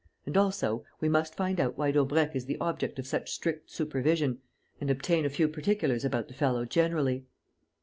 And, also, we must find out why Daubrecq is the object of such strict supervision and obtain a few particulars about the fellow generally."